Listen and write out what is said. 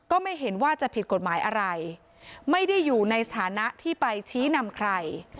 ไม่เห็นว่าจะผิดกฎหมายอะไรไม่ได้อยู่ในสถานะที่ไปชี้นำใคร